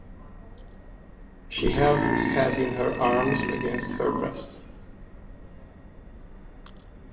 She held his head in her arms against her breast.